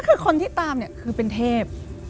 คือคนที่ตามเนี่ยคือเป็นเทพ